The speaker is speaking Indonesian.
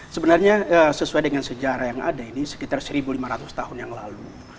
sebenarnya sesuai dengan sejarah yang ada ini sekitar satu lima ratus tahun yang lalu